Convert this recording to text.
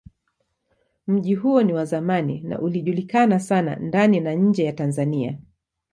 Mji huo ni wa zamani na ilijulikana sana ndani na nje ya Tanzania.